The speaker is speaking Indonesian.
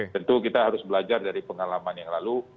tentu kita harus belajar dari pengalaman yang lalu